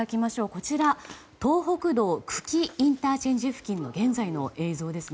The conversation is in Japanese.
こちら、東北道久喜ＩＣ付近の現在の映像です。